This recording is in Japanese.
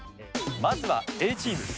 まずはＡチーム。